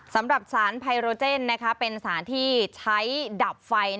สำหรับสารไพโรเจนเป็นสารที่ใช้ดับไฟ